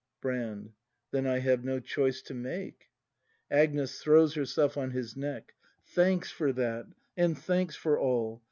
Brand. Then I have no choice to make. Agnes. [Throivs herself on his neck.] Thanks for that, and thanks for all!